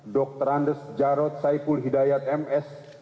dr andes jarod saiful hidayat ms